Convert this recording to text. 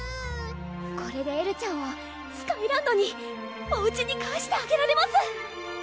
これでエルちゃんをスカイランドにおうちに帰してあげられます！